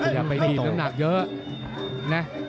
อย่าไปกินน้ำหนักเยอะ